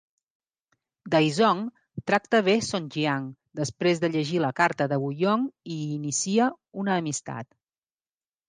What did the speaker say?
Dai Zong tracta bé Song Jiang després de llegir la carta de Wu Yong i hi inicia una amistat.